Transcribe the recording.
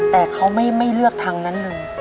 แต่เขาไม่เลือกทางนั้นเลย